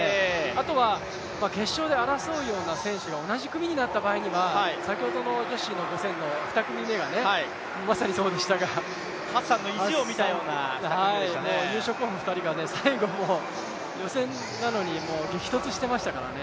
あとは決勝で争うような選手が同じ組になった場合には、先ほどの女子の５０００の２組目がまさにそうでしたが、優勝候補２人が最後、もう予選なので激突でしていましたからね。